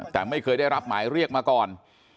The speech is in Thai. แต่ไม่เคยได้รับหมายเรียกมาก่อน